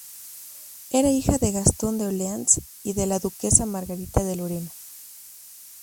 Era hija de Gastón de Orleans y de la duquesa Margarita de Lorena.